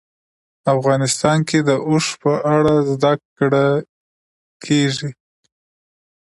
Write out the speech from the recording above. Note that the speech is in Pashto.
افغانستان کې د اوښ په اړه زده کړه کېږي.